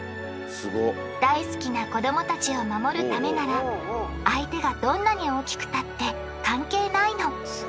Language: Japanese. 大好きな子どもたちを守るためなら相手がどんなに大きくたって関係ないの。